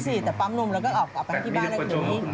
ไม่สิแต่ปั๊มนมแล้วก็ออกไปให้ไปบ้านไว้คนนี้